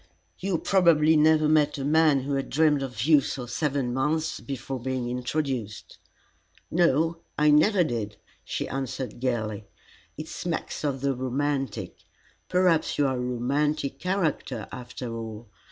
"You probably never met a man who had dreamed of you for seven months before being introduced." "No, I never did," she answered gaily. "It smacks of the romantic. Perhaps you are a romantic character, after all.